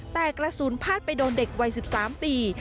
แต่กระสุนพาดไปโดนเด็กวัย๑๓ปี